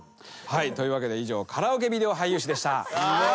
というわけで以上カラオケビデオ俳優史でした。